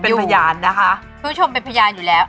เป็นพยานนะคะคุณผู้ชมเป็นพยานอยู่แล้ว